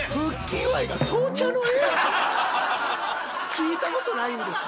聞いたことないんですよ。